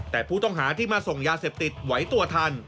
แต่ผู้ต้องหาที่มาส่งยาเสพติดไหวตัวทัน